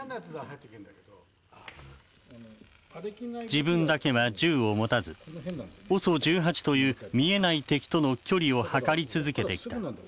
自分だけは銃を持たずＯＳＯ１８という見えない敵との距離を測り続けてきた。